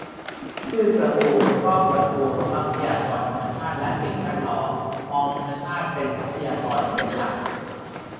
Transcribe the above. ชื่อกระทรวงก็กระทรวงทรัพยากรธรรมชาติและสิ่งแวดล้อม มองธรรมชาติเป็นทรัพยากรเป็นหลัก